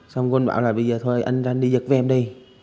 xong con bảo là bây giờ thôi anh ra đi giật với em đi